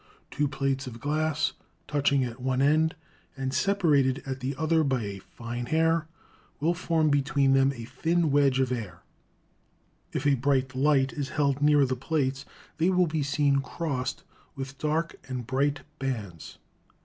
Two plates of glass touching at one end and separated at the other by a fine hair will form between them a thin wedge of air. If a bright light is held near the plates they will be seen crossed with dark and bright bands.